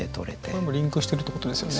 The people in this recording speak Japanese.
これもリンクしてるってことですよね。